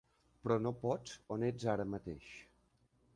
Però no pots on ets ara mateix.